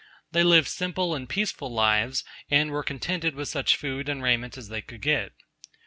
They lived simple and peaceful lives, and were contented with such food and raiment as they could get.